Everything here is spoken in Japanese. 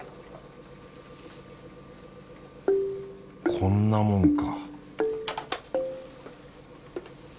こんなもんか